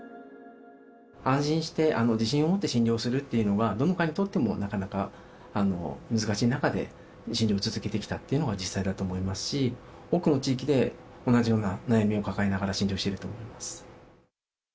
安心して、自信を持って診療するっていうのが、どの科にとってもなかなか難しい中で、診療を続けてきたっていうのが実際だと思いますし、多くの地域で同じような悩みを抱えながら診療してると思います。